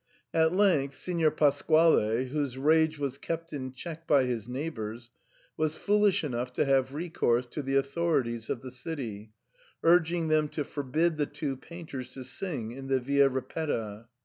At length Signor Pasquale whose rage was kept in check by his neighbours, was foolish enough to have recourse to the authorities of the city, urging them to forbid the two painters to sing in the Via Ripetta.